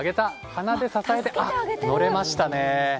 鼻で支えて、乗れましたね。